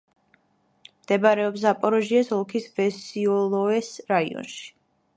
მდებარეობს ზაპოროჟიეს ოლქის ვესიოლოეს რაიონში.